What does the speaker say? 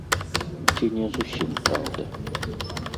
Ці не зусім праўда.